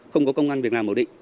không có công ngăn việc làm bảo định